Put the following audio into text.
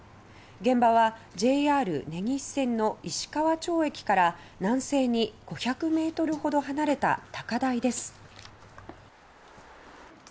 現場はＪＲ根岸線の石川町駅から南西に５００ｍほど離れた高台です。